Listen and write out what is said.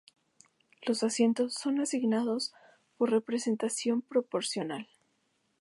Los asientos son asignados por representación proporcional.